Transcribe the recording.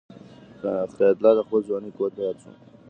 حیات الله ته د خپل ځوانۍ قوت په یاد شو.